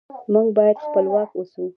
موږ باید خپلواک اوسو.